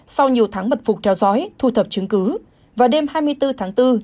sau nhiều tháng mật phục theo dõi thu thập chứng cứ vào đêm hai mươi bốn tháng bốn